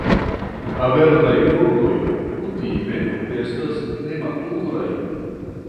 La verdaj fruktoj kutime estas nematuraj.